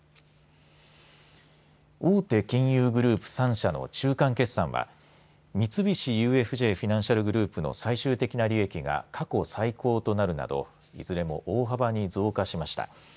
大手金融グループ３社の中間決算は三菱ＵＦＪフィナンシャル・グループの最終的な利益が過去最高となるなどいずれも大幅に増加しました。